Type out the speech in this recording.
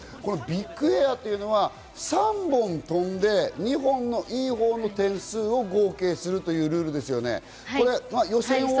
ビッグエアというのは３本飛んで、２本の良いほうの点数を合計するというルールですよね。